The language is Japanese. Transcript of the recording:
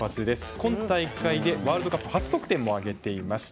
今大会でワールドカップ初得点も挙げています。